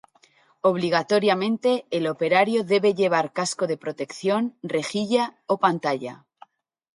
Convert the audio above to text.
Obligatoriamente, el operario debe llevar casco de protección, rejilla o pantalla.